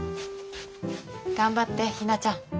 頑張ってひなちゃん。